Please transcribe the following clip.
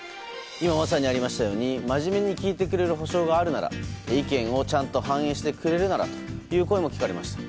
今、まさにありましたように真面目に聞いてくれる保証があるなら意見をちゃんと反映してくれるならという声も聞かれました。